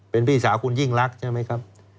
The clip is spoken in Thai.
เป็นพี่สาวคุณยิ่งรักใช่ไหมครับ